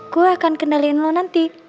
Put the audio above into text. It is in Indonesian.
gue akan kenalin lo nanti